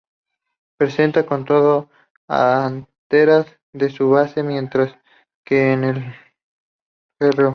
Presenta, con todo, anteras en su base, mientras que en el Gro.